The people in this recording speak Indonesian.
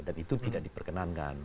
dan itu tidak diperkenankan